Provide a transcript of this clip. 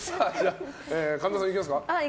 神田さん、いきますか。